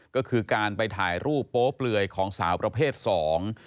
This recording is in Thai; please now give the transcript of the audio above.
ก็คือการไปถ่ายรูปโป๊เปลือยของสาวประเภทสอง